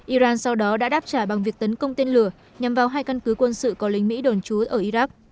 iran sau đó đã đáp trả bằng việc tấn công tên lửa nhằm vào hai căn cứ quân sự có lính mỹ đồn trú ở iraq